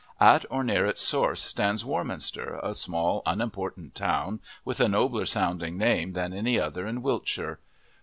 At or near its source stands Warminster, a small, unimportant town with a nobler sounding name than any other in Wiltshire.